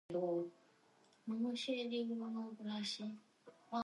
The novel was initially titled "Meltdown" during the manuscript stage.